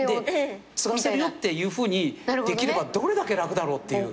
継がせるよっていうふうにできればどれだけ楽だろうっていう。